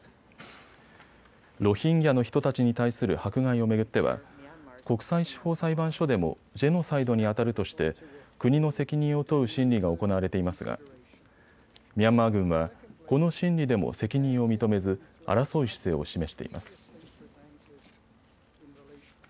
ロヒンギャの人たちに対する迫害を巡っては国際司法裁判所でもジェノサイドにあたるとして国の責任を問う審理が行われていますがミャンマー軍は、この審理でも責任を認めず争う姿勢を示しています。